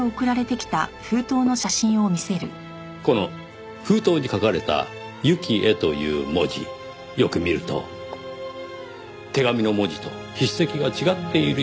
この封筒に書かれた「由季へ」という文字よく見ると手紙の文字と筆跡が違っているように見えます。